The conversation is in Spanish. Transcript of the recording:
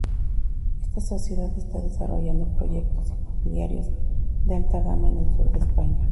Esta sociedad está desarrollando proyectos inmobiliarios de alta gama en el sur de España.